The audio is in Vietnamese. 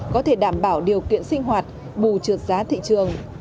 có thể đảm bảo điều kiện sinh hoạt bù trượt giá thị trường